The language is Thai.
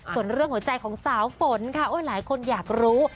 ส่วนเรื่องหัวใจของสาวฝนค่ะหลายคนอยากรู้